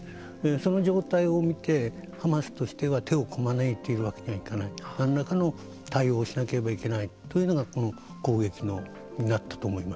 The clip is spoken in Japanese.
その状態を見てハマスとしては手をこまねいているわけにはいかない何らかの対応をしなければいけないというのがこの攻撃になったと思います。